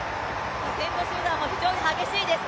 先頭集団、非常に激しいです